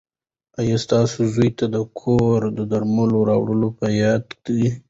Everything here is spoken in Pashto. ایا ستاسو زوی ته د کور د درملو راوړل په یاد دي؟